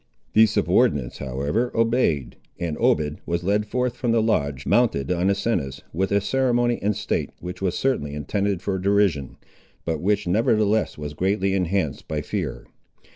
The subordinates, however, obeyed, and Obed was led forth from the lodge, mounted on Asinus, with a ceremony and state which was certainly intended for derision, but which nevertheless was greatly enhanced by fear.